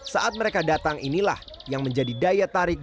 saat mereka datang inilah yang menjadi daya tarik